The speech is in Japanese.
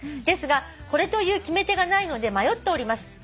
「ですがこれという決め手がないので迷っております」